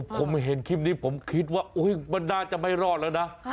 ผมเห็นคลิปนี้ผมคิดว่ามันน่าจะไม่รอดแล้วนะ